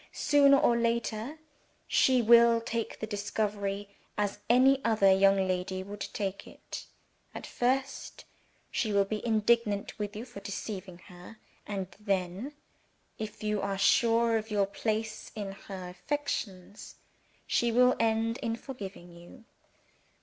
Sooner or later, she will take the discovery as any other young lady would take it. At first, she will be indignant with you for deceiving her; and then, if you are sure of your place in her affections, she will end in forgiving you.